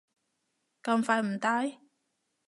咁快唔戴？